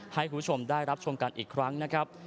ให้คุณผู้ชมได้รับชมกันอีกครั้งนะครับ